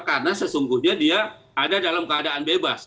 karena sesungguhnya dia ada dalam keadaan bebas